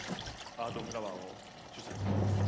アートフラワーを主催しております